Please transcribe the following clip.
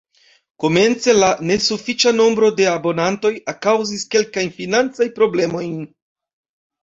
Komence la nesufiĉa nombro de abonantoj kaŭzis kelkajn financajn problemojn.